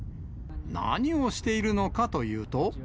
何をしているのかというと。